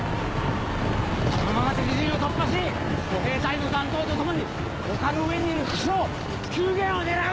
このまま敵陣を突破し歩兵隊の残党とともに丘の上にいる副将・宮元を狙う！